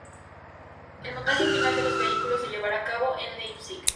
El montaje final de los vehículos se llevará a cabo en Leipzig.